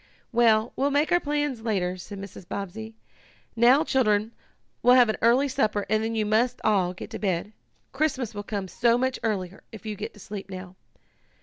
"Well, we'll make our plans later," said Mrs. Bobbsey. "Now, children, we'll have an early supper and then you must all get to bed. Christmas will come so much earlier if you go to sleep now."